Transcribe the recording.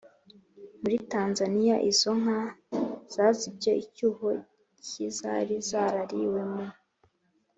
muri Tanzaniya Izo nka zazibye icyuho k izari zarariwe mu